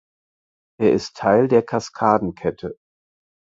Er ist Teil der Kaskadenkette.